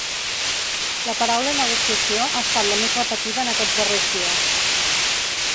La paraula negociació ha estat la més repetida en aquests darrers dies.